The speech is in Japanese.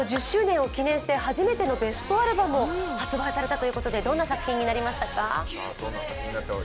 １０周年を記念して初めてのベストアルバムを発売されたということで、どんな作品になりましたか。